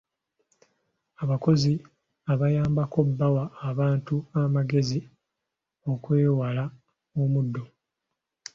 Abakozi abayambako bawa abantu amagezi okwewala omuddo.